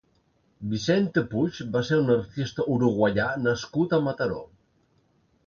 Vicente Puig va ser un artista uruguaià nascut a Mataró.